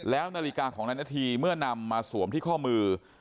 แล้วนาฬิกาของนายนาธีเมื่อนำมาสวมที่ข้อมือ